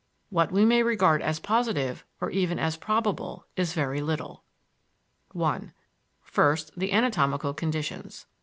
What we may regard as positive, or even as probable, is very little. I First, the anatomical conditions.